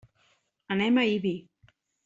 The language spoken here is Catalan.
Anem a Ibi.